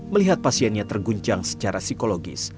melihat pasiennya terguncang secara psikologis